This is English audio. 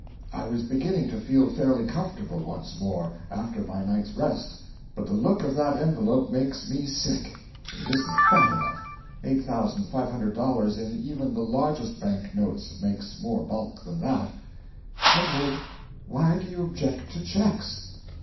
I was beginning to feel fairly comfortable once more, after my night's rest, but the look of that envelope makes me sick. It isn't fat enough; $8,500 in even the largest bank notes makes more bulk than that." "Edward, why do you object to cheques?"